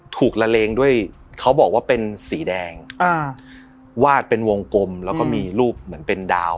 ถูกละเลงด้วยเขาบอกว่าเป็นสีแดงอ่าวาดเป็นวงกลมแล้วก็มีรูปเหมือนเป็นดาว